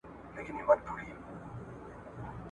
ایا ته کولای سي په دې موضوع کي نوي معلومات زیات کړې؟